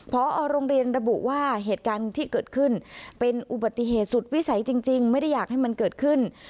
เป็นอุบัติเหตุสุดวิสัยจริงไม่ได้อยากให้มันเกิดขึ้น